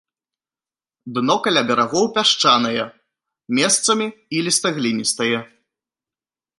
Дно каля берагоў пясчанае, месцамі іліста-гліністае.